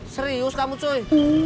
serius kamu coy